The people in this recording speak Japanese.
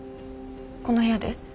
この部屋で。